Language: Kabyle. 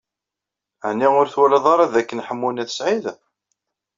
Ɛni ur twalaḍ ara dakken Ḥemmu n At Sɛid?